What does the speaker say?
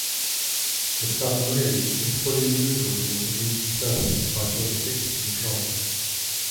The submarine is fully maneuverable beneath the surface by joystick control.